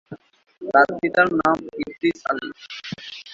তার পিতার নাম ইদ্রিস আলী।